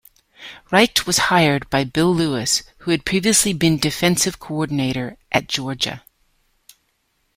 Richt was hired by Bill Lewis, who had previously been defensive coordinator at Georgia.